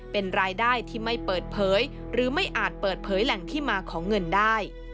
เป็นรายได้ที่ไม่เปิดเผยหรือไม่อาจเปิดเผยแหล่งที่มาของเงินได้